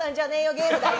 ゲームだよ。